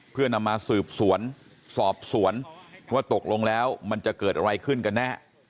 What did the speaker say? เพื่อนำมาสืบสวนสอบสวนว่าตกลงแล้วมันจะเกิดอะไรขึ้นกันแน่